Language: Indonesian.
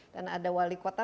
dan ada wali kota